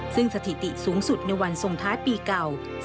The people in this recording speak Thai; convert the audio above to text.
ซึ่งสถิติสูงสุดในวันทรงท้ายปีเก่า